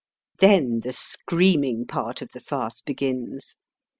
Then the screaming part of the farce begins.